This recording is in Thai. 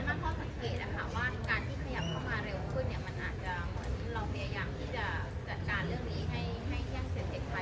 มันอาจจะเหมือนเราพยายามที่จะจัดการเรื่องนี้ให้ยังเสร็จเสร็จไป